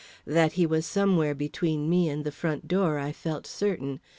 That he was somewhere between me and the front door, I felt certain.